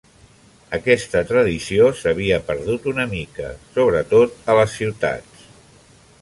Aquesta tradició s'havia perdut una mica, sobretot a les ciutats.